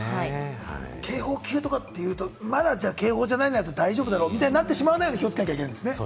警報級とかっていうと、まだ警報じゃないなら大丈夫だろうみたいになってしまわないように気をつけなきゃいけないですね。